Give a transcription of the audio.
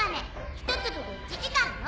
１粒で１時間よ。